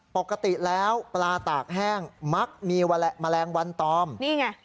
ปกติแล้วปลาตากแห้งมักมีแมลงวันตอมนี่ไง